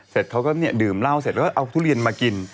เสร็จได้ดื่มลัวเอาทุเรียนมากิน